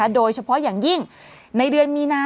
โดยเฉพาะอย่างยิ่งในเดือนมีนา